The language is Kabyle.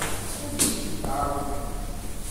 Ad iyi-ten-tɛeṛḍem?